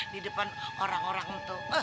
di depan orang orang itu